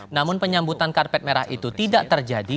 namun penyambutan karpet merah itu tidak terjadi